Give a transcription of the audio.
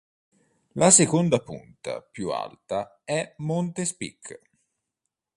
La seconda punta più alta è Monte Speke.